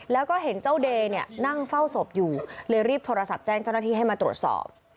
แล้วก็เห็นเจ้าเดย์เนี่ยนั่งเฝ้าศพอยู่เลยรีบโทรศัพท์แจ้งเจ้าหน้าที่ให้มาตรวจสอบ